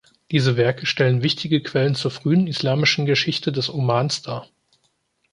Diese Werke stellen wichtige Quellen zur frühen islamischen Geschichte des Omans dar.